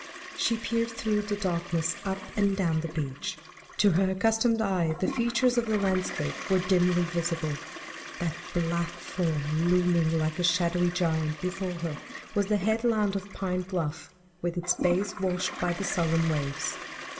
She peered through the darkness up and down the beach. To her accustomed eye, the features of the landscape were dimly visible. That black form looming like a shadowy giant before her was the headland of Pine Bluff, with its base washed by the sullen waves.